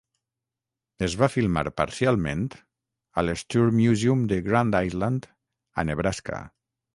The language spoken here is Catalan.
Es va filmar parcialment a l'Stuhr Museum de Grand Island a Nebraska.